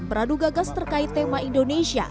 beradu gagas terkait tema indonesia